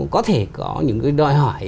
có thể có những cái đòi hỏi